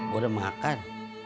gue udah makan